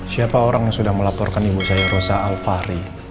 siapa orang yang sudah melaporkan ibu saya rosa alfari